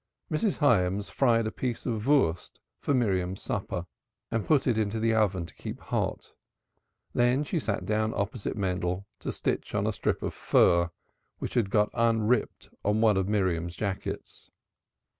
Mrs. Hyams fried a piece of Wurst for Miriam's supper and put it into the oven to keep hot, then she sat down opposite Mendel to stitch on a strip of fur, which had got unripped on one of Miriam's jackets.